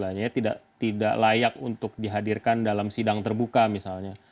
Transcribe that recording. istilahnya tidak layak untuk dihadirkan dalam sidang terbuka misalnya